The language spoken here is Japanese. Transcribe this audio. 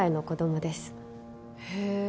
へえ。